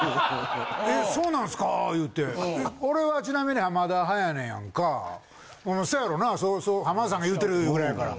えそうなんすか言うて俺はちなみに浜田派やねんやんかそやろなぁそう浜田さんが言ってる言うぐらいやから。